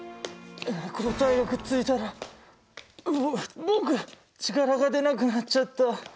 抗体がくっついたらぼ僕力が出なくなっちゃった。